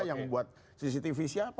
yang membuat cctv siapa